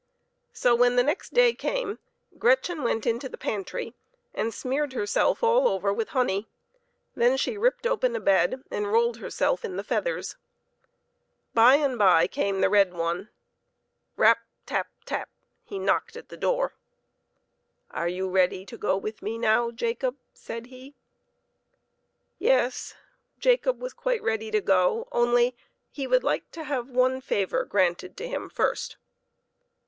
So, when the next day came, Gretchen went into the pantry and smeared herself all over with honey. Then she ripped open a bed and rolled herself in the feathers. By and by came the red one. Rap ! tap ! tap ! he knocked at the door. " Are you ready to go with me now, Jacob ?" said he. Yes; Jacob was quite ready to go, only he would like to have one favor granted him first.